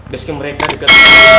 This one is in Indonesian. basecamp mereka dekat